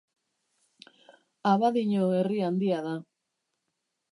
Abadiño herri handia da.